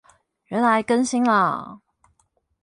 原來更新了啊